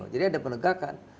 jadi ada penegakan